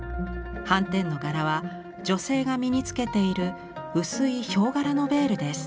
斑点の柄は女性が身につけている薄いヒョウ柄のヴェールです。